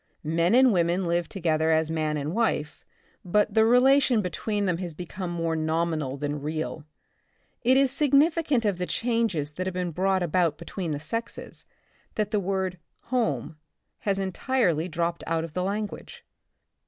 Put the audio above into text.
Men and women live together as man and wife, but the relation between them has become more nominal than real. It is significant of th^ changes that have been brought about between the sexes, that the word '' home has entirely dropped out of the language.